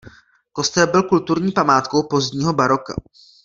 Kostel byl kulturní památkou pozdního baroka.